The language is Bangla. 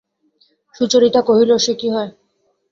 সুচরিতা কহিল, সে কি হয়!